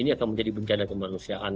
ini akan menjadi bencana kemanusiaan